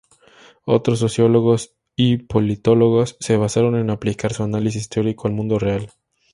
Otros sociólogos y politólogos se basaron en aplicar su análisis teórico al mundo real.